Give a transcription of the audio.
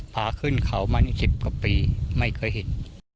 พาขึ้นเขามานี่๑๐กว่าปีไม่เคยเห็น